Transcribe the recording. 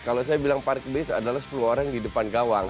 kalau saya bilang park base adalah sepuluh orang di depan gawang